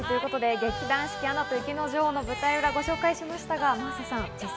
劇団四季『アナと雪の女王』の舞台裏をご紹介しました。